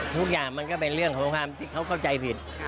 ทุกอย่างมันก็เป็นเรื่องของความที่เขาเข้าใจผิด